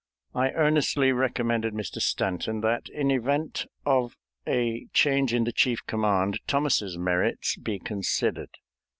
I earnestly recommended Mr. Stanton that in event of a change in the chief command Thomas's merits be considered.